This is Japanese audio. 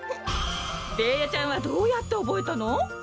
ベーヤちゃんはどうやっておぼえたの？